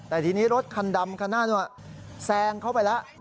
แต่ทีนี้รถคันดำคันหน้านู้นแซงเข้าไปแล้ว